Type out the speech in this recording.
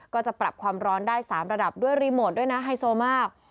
ก็จะปรับความร้อนได้๓ระดับด้วยรีโมทด้วยนะไฮโซมาก